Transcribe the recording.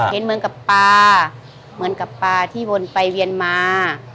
เห็นเหมือนกับปลาเหมือนกับปลาที่วนไปเวียนมา